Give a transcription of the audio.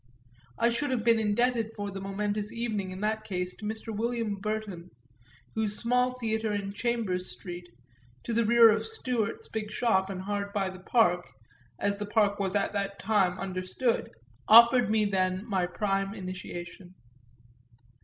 I should have been indebted for the momentous evening in that case to Mr. William Burton, whose small theatre in Chambers Street, to the rear of Stewart's big shop and hard by the Park, as the Park was at that time understood, offered me then my prime initiation.